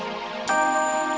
sampai jumpa lagi